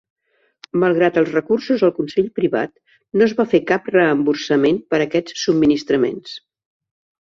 Malgrat els recursos al Consell Privat, no es va fer cap reemborsament per aquests subministraments.